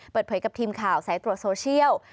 เปิดเผยกับทีมข่าวสายตรวจโซเชียล